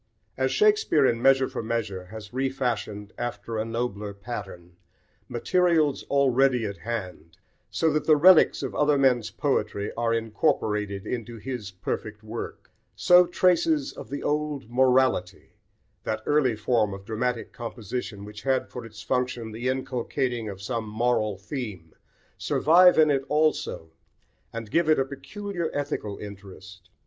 As Shakespeare in Measure for Measure has refashioned, after a nobler pattern, materials already at hand, so that the relics of other men's poetry are incorporated into his perfect work, so traces of the old "morality," that early form of dramatic composition which had for its function the inculcating of some moral theme, survive in it also, and give it a peculiar ethical interest.